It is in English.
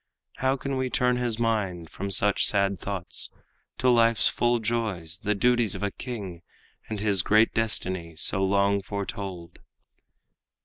How can we turn his mind from such sad thoughts To life's full joys, the duties of a king, And his great destiny so long foretold?"